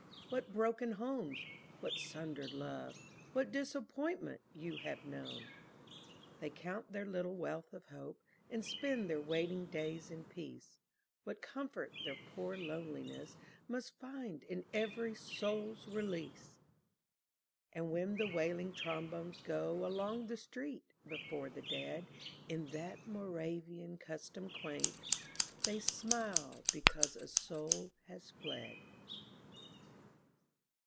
What broken homes, what sundered love, What disappointment you have known! They count their little wealth of hope And spend their waiting days in peace, What comfort their poor loneliness Must find in every soul's release! And when the wailing trombones go Along the street before the dead In that Moravian custom quaint, They smile because a soul has fled.